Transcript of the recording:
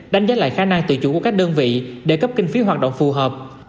đánh giá lại khả năng tự chủ của các đơn vị để cấp kinh phí hoạt động phù hợp